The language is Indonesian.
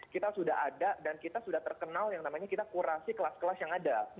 kita sudah ada dan kita sudah terkenal yang namanya kita kurasi kelas kelas yang ada